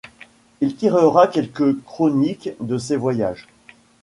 Il tirera quelques chroniques de ses voyages.